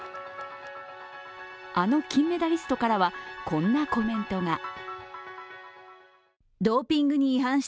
あの金メダリストからは、こんなコメントが。